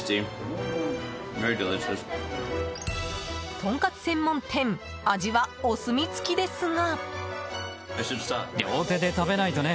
とんかつ専門店味はお墨付きですが。